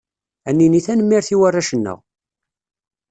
Ad nini tanemmirt i warrac-nneɣ!